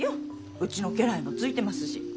うちの家来もついてますし。